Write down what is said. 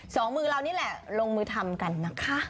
สองมือเรานี่แหละลงมือทำกันนะคะ